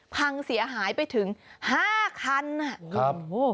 พังเสียหายไปถึง๕คันนะครับ